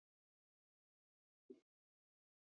我就真的不会去吗